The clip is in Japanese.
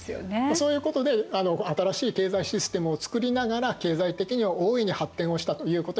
そういうことで新しい経済システムをつくりながら経済的には大いに発展をしたということになります。